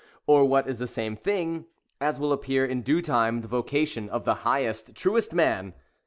or what is the same thing, as will appear in due time, the vocation of the highest, truest man?